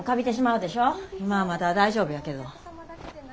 今はまだ大丈夫やけど。